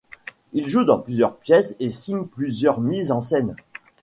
Il joue dans plusieurs pièces et signe plusieurs mises en scène.